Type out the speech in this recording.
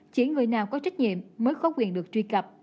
chỉ người nào có trách nhiệm mới có quyền được truy cập